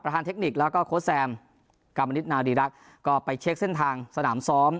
ทางเทคนิคแล้วก็โค้ดแซมกรรมนิดนารีรักษ์ก็ไปเช็คเส้นทางสนามซ้อม